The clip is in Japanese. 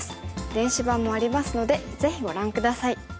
電子版もありますのでぜひご覧下さい。